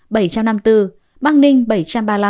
bắc ninh bảy trăm ba mươi năm